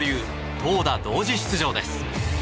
投打同時出場です。